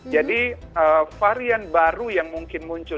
jadi varian baru yang mungkin muncul